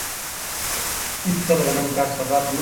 هېڅکله د نن کار سبا ته مه پرېږدئ.